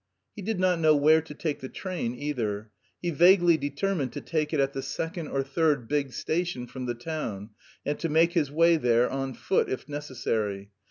He did not know where to take the train either; he vaguely determined to take it at the second or third big station from the town, and to make his way there on foot, if necessary.